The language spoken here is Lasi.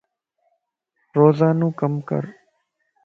روزانو ڪم ڪر